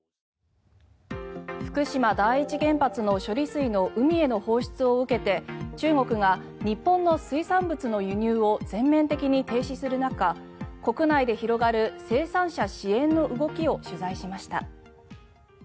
福島第一原発の処理水の海への放出を受けて中国が日本の水産物の輸入を全面的に停止する中国内で広がる生産者支援の動きを取材しました。